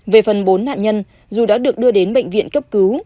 về phần bốn nạn nhân dù đã được đưa đến bệnh viện cấp cứu